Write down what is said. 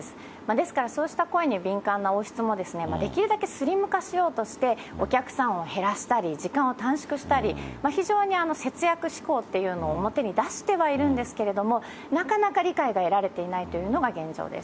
ですから、そうした声に敏感な王室も、できるだけスリム化しようとして、お客さんを減らしたり、時間を短縮したり、非常に節約志向っていうのを表に出してはいるんですけれども、なかなか理解が得られていないというのが現状です。